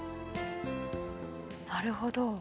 なるほど。